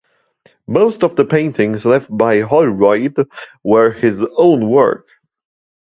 Most of the paintings left by Holroyd were his own work.